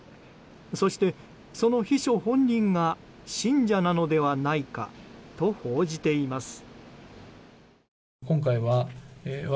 そして、その秘書本人が信者なのではないかと報じています。